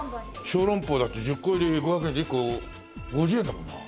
小籠包だって１０個入りで５００円で１個５０円だもんなあ。